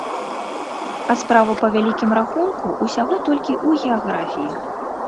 А справа, па вялікім рахунку, усяго толькі ў геаграфіі.